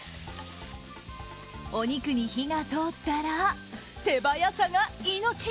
お肉に火が通ったら手早さが命。